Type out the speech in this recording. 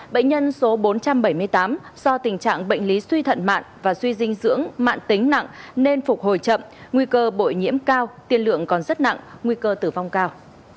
bệnh nhân số bốn trăm bảy mươi tám do tình trạng bệnh lý suy thận mạn và suy dinh dưỡng mạng tính nặng nên phục hồi chậm nguy cơ bội nhiễm cao tiên lượng còn rất nặng nguy cơ tử vong cao